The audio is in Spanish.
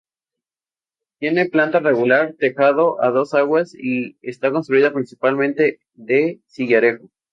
Tiene planta rectangular, tejado a dos aguas y está construida principalmente de sillarejo.